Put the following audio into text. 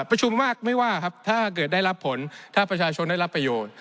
ประชุมมากไม่ว่าครับถ้าเกิดได้รับผลถ้าประชาชนได้รับประโยชน์